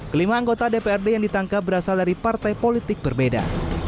kelima anggota dprd yang ditangkap berasal dari partai politik berbeda